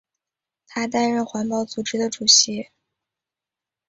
他担任环保组织的主席。